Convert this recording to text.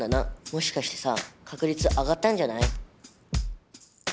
もしかしてさ確率上がったんじゃない？